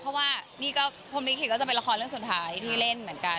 เพราะว่านี่ก็พรมลิขิตก็จะเป็นละครเรื่องสุดท้ายที่เล่นเหมือนกัน